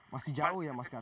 masih jauh ya mas kan